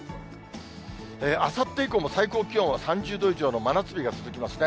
あさって以降も最高気温は３０度以上の真夏日が続きますね。